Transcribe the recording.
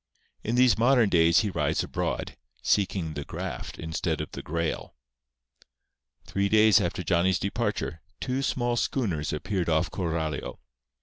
In these modern days he rides abroad, seeking the Graft instead of the Grail. Three days after Johnny's departure, two small schooners appeared off Coralio.